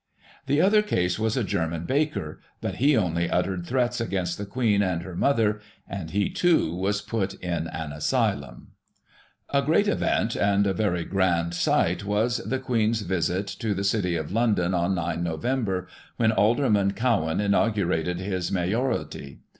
The other case was a German baker, but he only uttered threats against the Queen and her mother, and he, too, was put in an asylum. A great event, and a very grand sight, was the Queen's Digiti ized by Google 1837] QUEEN IN THE CITY. 19 visit to the City of London on 9 Nov., when Alderman Cowan inaugurated his mayoralty.